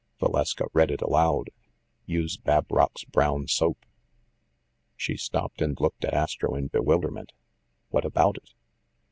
Valeska read it aloud: "Use Babrock's Brown Soap." She stopped and looked at Astro in bewilder ment. "What about it?""